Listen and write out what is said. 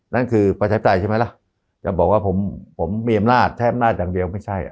นั่นคือประชาธิปไตยใช่ไหมล่ะจะบอกว่าผมมีอำนาจใช้อำนาจอย่างเดียวไม่ใช่